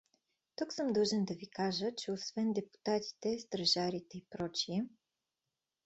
Тук съм длъжен да ви кажа, че освен депутатите, стражарите и пр.